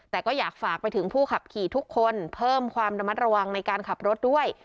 แต่ก็อยากฝากไปถึงผู้ขับขี่ทุกคนเพิ่มความระมัดระวังในการขับรถด้วย